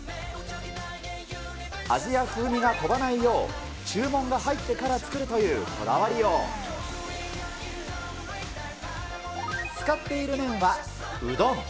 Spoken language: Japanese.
味や風味が飛ばないよう、注文が入ってから作るというこだわりよう。使っている麺は、うどん。